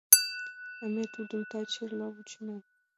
А ме тудым таче-эрла вучена.